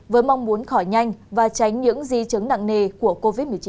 với mong muốn khỏi nhanh và tránh những di chứng nặng nề của covid một mươi chín